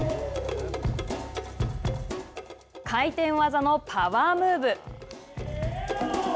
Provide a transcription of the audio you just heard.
回転技のパワームーブ。